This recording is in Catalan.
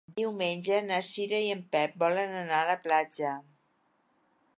Diumenge na Cira i en Pep volen anar a la platja.